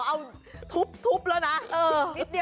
ส่งตาหมี่นี่ว่าทีวีสิ้นเป็นอะไรถะทำหรอแบบทุบแล้วนะ